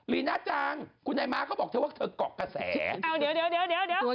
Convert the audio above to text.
ลีน่าจังลีน่าจังลีน่าจังลีน่าจังลีน่าจังลีน่าจัง